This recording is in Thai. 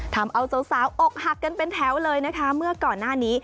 ทำเอาสาวอกหักกันเป็นแถวเลยนะคะเมื่อก่อนหน้านี้